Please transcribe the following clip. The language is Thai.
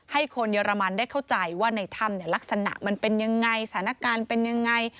ให้คนเยอรมันได้เข้าใจว่าในถ้ำลักษณะมันเป็นยังไงสถานการณ์เป็นยังไง